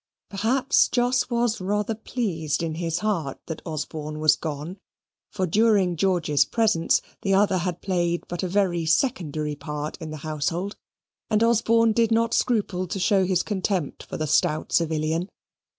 Perhaps Jos was rather pleased in his heart that Osborne was gone, for during George's presence, the other had played but a very secondary part in the household, and Osborne did not scruple to show his contempt for the stout civilian.